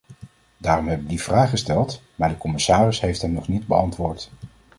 Daarom heb ik die vraag gesteld, maar de commissaris heeft hem nog niet beantwoord.